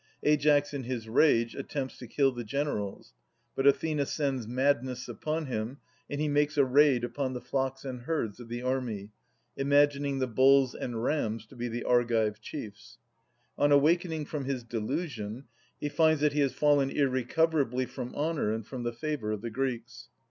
Aias in his rage attempts to kill the generals ; but Athena sends madness upon him, and he makes a raid upon the flocks and herds of the army, imagining the bulls and rams to be the Argive chiefs. On awakening from his delusion, he finds that he has fallen irrecoverably from honour and from the favour of the Greeks.